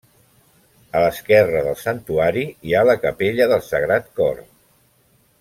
A l'esquerra del Santuari hi ha la Capella del Sagrat Cor.